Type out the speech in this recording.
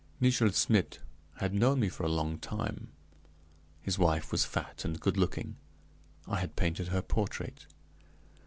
Nichel Schmidt had known me for a long time; his wife was fat and good looking; I had painted her portrait.